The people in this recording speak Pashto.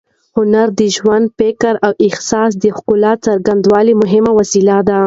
هنر د ژوند، فکر او احساس د ښکلا څرګندولو مهم وسیله ده.